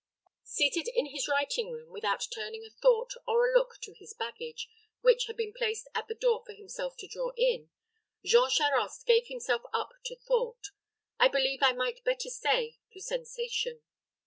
Seated in his writing room, without turning a thought or a look to his baggage, which had been placed at the door for himself to draw in, Jean Charost gave himself up to thought I believe I might better say to sensation.